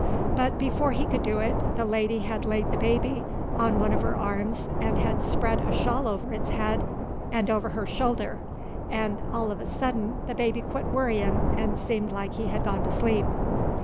But before he could do it, the lady hed laid the baby on one uv her arms 'nd hed spread a shawl over its head 'nd over her shoulder, 'nd all uv a suddint the baby quit worritin' and seemed like he hed gone to sleep.